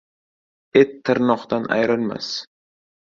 • Et tirnoqdan ayrilmas.